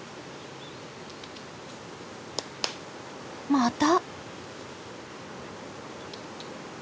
また！